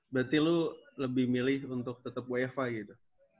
berarti lu lebih milih untuk tetap wi fi gitu